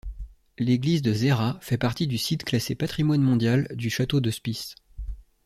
L'église de Žehra fait partie du site classé patrimoine mondial du château de Spiš.